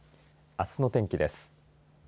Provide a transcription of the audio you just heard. あすの天気です。